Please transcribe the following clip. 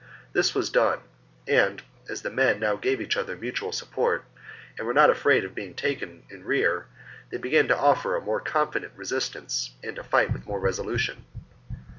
'^ This was done ; and, as the men now gave each other mutual support and were not afraid of being taken in rear, they began to offer a more confident resistance and to fight with more resolution.